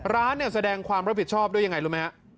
ร้านเนี่ยแสดงความรับผิดชอบด้วยยังไงรู้ไหมฮะ